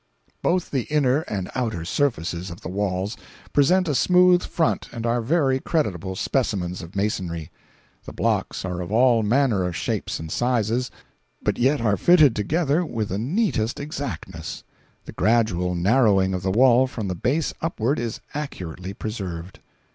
Both the inner and outer surfaces of the walls present a smooth front and are very creditable specimens of masonry. The blocks are of all manner of shapes and sizes, but yet are fitted together with the neatest exactness. The gradual narrowing of the wall from the base upward is accurately preserved.